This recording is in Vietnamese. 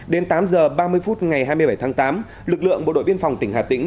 đến tám h ba mươi phút ngày hai mươi bảy tháng tám lực lượng bộ đội biên phòng tỉnh hà tĩnh